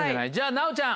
奈央ちゃん